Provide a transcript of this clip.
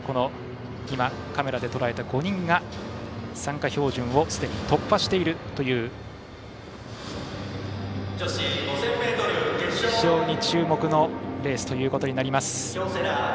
カメラでとらえた５人が参加標準をすでに突破しているという非常に注目のレースとなります。